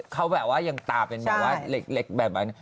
เขาแบบว่ายังตาเป็นแบบว่าเล็กแบบนั้น